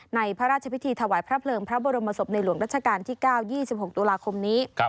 พระราชพิธีถวายพระเพลิงพระบรมศพในหลวงรัชกาลที่๙๒๖ตุลาคมนี้